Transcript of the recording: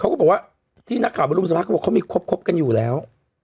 ก็บอกว่าที่นักข่าวไปรุมสัมภาษณ์เขาบอกเขามีครบกันอยู่แล้ว